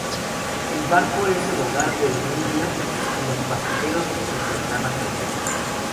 El barco es el hogar del niño, y los pasajeros, sus ventanas al mundo.